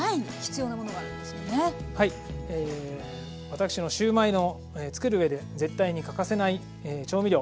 私のシューマイの作るうえで絶対に欠かせない調味料。